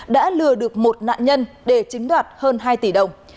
đã lừa được một nạn nhân để chiếm đoạt hơn hai tỷ đồng